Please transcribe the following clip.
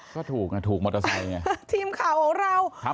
ก็ถูกไงถูกมอเตอร์ไซค์ไงทีมข่าวของเราครับ